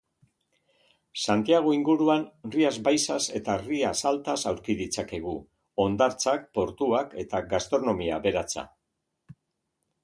Santiago inguruan Rias Baixas eta Rias Altas aurki ditzakegu, hondartzak, portuak eta gastronomia aberatsa.